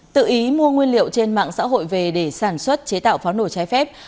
tự ý mua nguyên liệu trên mạng xã hội về để sản xuất chế tạo pháo nổ trái phép